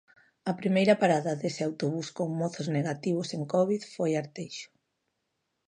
A primeira parada dese autobús con mozos negativos en covid foi Arteixo.